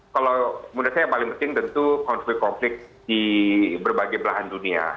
kalau menurut saya yang paling penting tentu konflik konflik di berbagai belahan dunia